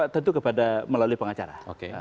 tentu kepada melalui pengacara